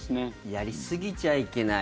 やりすぎちゃいけない。